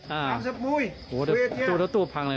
โหถ้าตัวพังเลย